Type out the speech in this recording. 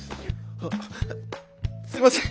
あすいません